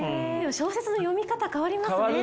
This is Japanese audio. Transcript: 小説の読み方変わりますね。